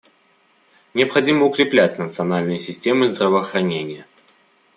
Необходимо укреплять национальные системы здравоохранения.